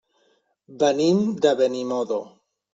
Venim de Benimodo.